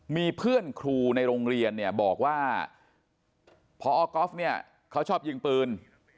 มีเพื่อนครูในโรงเรียนบอกว่าพอกอฟเขาชอบยิงปืน